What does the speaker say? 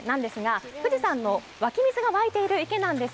富士山の湧き水が湧いている池なんです。